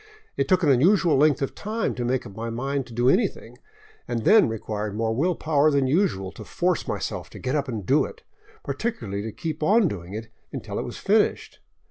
It took an unusual length of time to make up my mind to do anything, and then required more will power than usual to force myself to get up and do it, particularly to keep on doing it until it was finished.